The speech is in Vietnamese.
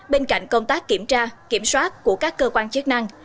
bên cạnh công tác kiểm tra kiểm soát của các cơ quan chức năng